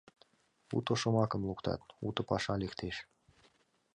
Уто шомакым луктат — уто паша лектеш.